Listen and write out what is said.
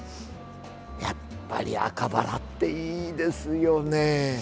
やっぱり赤バラっていいですよね。